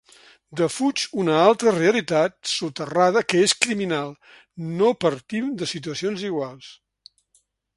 Defuig una altra realitat soterrada que és criminal: no partim de situacions iguals.